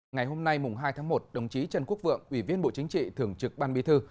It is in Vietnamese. ngày hôm nay hai tháng một đồng chí trần quốc vượng ủy viên bộ chính trị thường trực ban bi thư